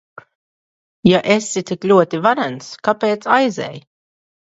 Ja esi tik ļoti varens, kāpēc aizej?